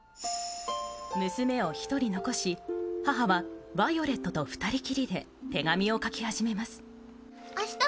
娘を１人残し、母はヴァイオレットと２人きりで手紙を書き始めます。